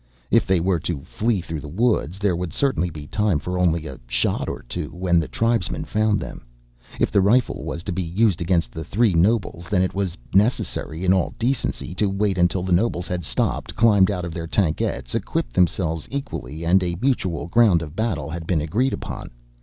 If they were to flee through the woods, there would certainly be time for only a shot or two when the tribesmen found them. If the rifle was to be used against the three nobles, then it was necessary, in all decency, to wait until the nobles had stopped, climbed out of their tankettes, equipped themselves equally, and a mutual ground of battle had been agreed upon.